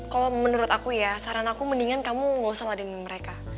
kalau menurut aku ya saran aku mendingan kamu gak usah lah dengan mereka